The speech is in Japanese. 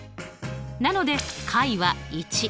なので解は１。